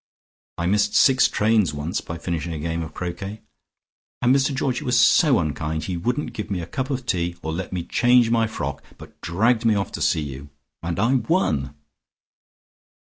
I missed six trains once by finishing a game of croquet. And Mr Georgie was so unkind: he wouldn't give me a cup of tea, or let me change my frock, but dragged me off to see you. And I won!"